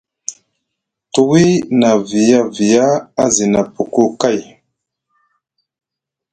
Tuwi na viya viya a zina puku kay.